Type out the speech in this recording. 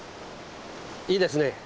いいですね。